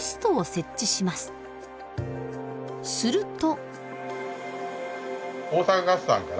すると。